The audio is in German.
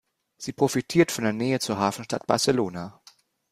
Sie profitiert von der Nähe zur Hafenstadt Barcelona.